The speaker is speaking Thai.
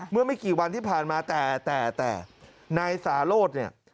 เมื่อไม่กี่วันที่ผ่านมาแต่แต่นายสาโรธเนี่ย